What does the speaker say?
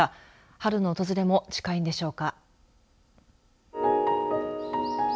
春の訪れも近いのでしょうか。